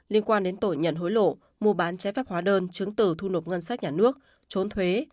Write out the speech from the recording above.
liên quan đến tội nhận hối lộ mua bán trái phép hóa đơn chứng từ thu nộp ngân sách nhà nước trốn thuế